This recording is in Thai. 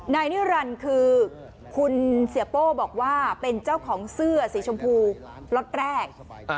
นายนิรันดิ์คือคุณเสียโป้บอกว่าเป็นเจ้าของเสื้อสีชมพูล็อตแรก